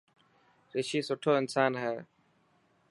رشي سٺو انسان هي.